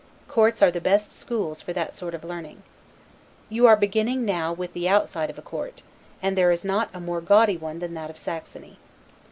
Courts are the best schools for that sort of learning. You are beginning now with the outside of a court; and there is not a more gaudy one than that of Saxony.